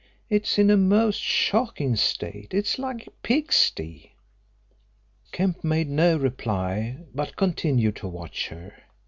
It's in a most shocking state it's like a pigsty." Kemp made no reply but continued to watch her.